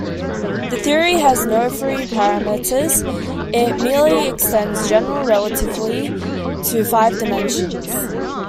The theory has no free parameters; it merely extends general relativity to five dimensions.